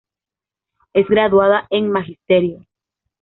Es graduada en Magisterio.